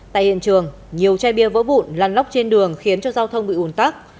tại hiện trường nhiều chai bia vỡ bụn lăn lóc trên đường khiến cho giao thông bị ủn tắc